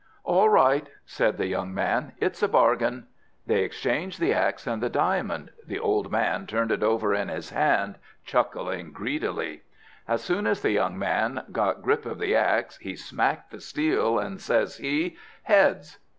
"All right," said the young man, "it's a bargain." They exchanged the axe and the diamond; the old man turned it over in his hand, chuckling greedily. As soon as the young man got grip of the axe, he smacked the steel, and says he, "Heads!"